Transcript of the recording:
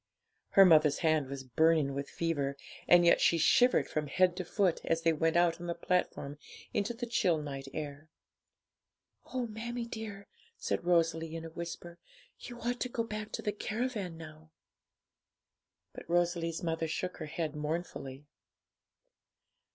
Her mother's hand was burning with fever, and yet she shivered from head to foot as they went out on the platform into the chill night air. 'Oh, mammie dear,' said Rosalie, in a whisper, 'you ought to go back to the caravan now.' But Rosalie's mother shook her head mournfully.